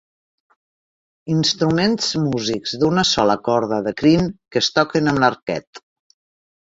Instruments músics d'una sola corda de crin que es toquen amb l'arquet.